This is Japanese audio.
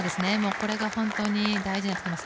これが本当に大事になってきます。